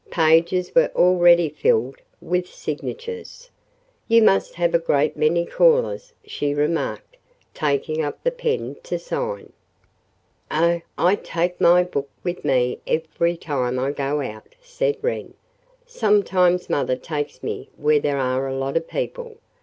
Pages were already filled with signatures. "You must have a great many callers," she remarked, taking up the pen to sign. "Oh, I take my book with me every time I go out," said Wren. "Sometimes mother takes me where there are a lot of people.